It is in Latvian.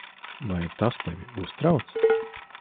Vai tas tevi uztrauc?